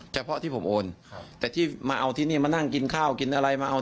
ก็ในแชทมันมีบอกอยู่แล้ว